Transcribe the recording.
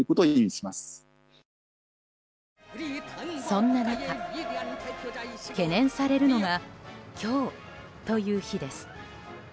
そんな中、懸念されるのが今日という日です。